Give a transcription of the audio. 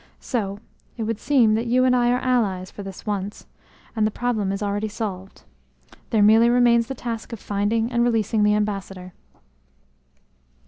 So, it would seem that you and I are allies for this once, and the problem is already solved. There merely remains the task of finding and releasing the ambassador."